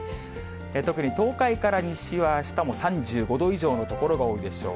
特に東海から西はあしたも３５度以上の所が多いでしょう。